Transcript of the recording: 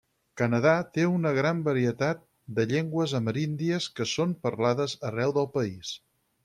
Canadà té una gran varietat de llengües ameríndies que són parlades arreu del país.